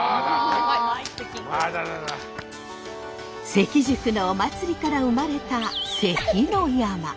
関宿のお祭りから生まれた「関の山」。